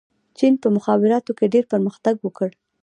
چین په مخابراتو کې ډېر پرمختګ وکړ.